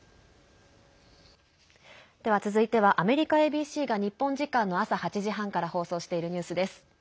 では続いてはアメリカＡＢＣが日本時間の朝８時半から放送しているニュースです。